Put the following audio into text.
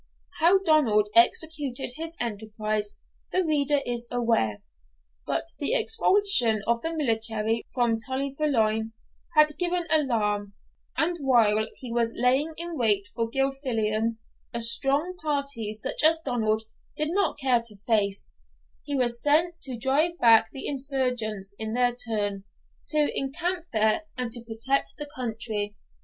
How Donald executed his enterprise the reader is aware. But the expulsion of the military from Tully Veolan had given alarm, and while he was lying in wait for Gilfillan, a strong party, such as Donald did not care to face, was sent to drive back the insurgents in their turn, to encamp there, and to protect the country.